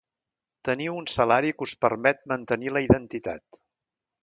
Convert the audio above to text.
Teniu un salari que us permet mantenir la identitat.